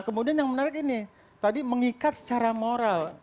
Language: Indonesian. kemudian yang menarik ini tadi mengikat secara moral